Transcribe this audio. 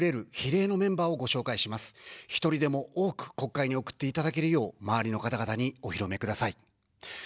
１人でも多く国会に送っていただけるよう、周りの方々にお広めください。